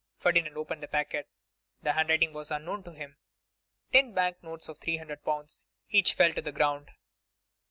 Ferdinand opened the packet. The handwriting was unknown to him. Ten bank notes of 300L. each fell to the ground.